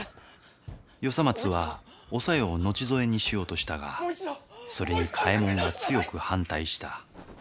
与三松はお小夜を後添えにしようとしたがそれに嘉右衛門が強く反対した。